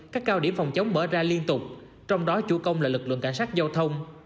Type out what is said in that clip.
các cao điểm phòng chống mở ra liên tục trong đó chủ công là lực lượng cảnh sát giao thông